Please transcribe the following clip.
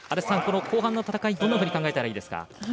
後半の戦いはどんなふうに考えたらいいですか？